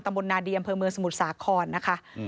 ตำบลนาเดียมเพื่อเมืองสมุทรสาครนะคะ